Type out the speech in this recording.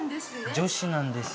女子なんです。